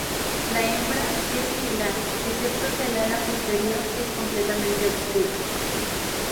La hembra es similar, excepto el ala posterior que es completamente oscura.